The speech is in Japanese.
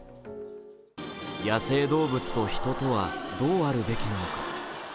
野生動物と人とはどうあるべきなのか。